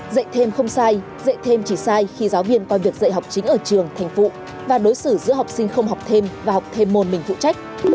dạy thêm không sai dạy thêm chỉ sai khi giáo viên coi việc dạy học chính ở trường thành phụ và đối xử giữa học sinh không học thêm và học thêm môn mình phụ trách